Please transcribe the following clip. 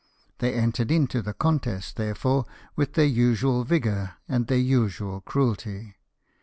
They entered into the contest, therefore, with their usual vigour and their usual cruelty.